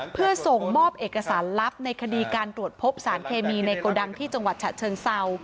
เพื่อส่งมอบเอกสารลับในคดีการตรวจพบสารเคมีในโกดังที่จังหวัดฉะเชิงเศร้า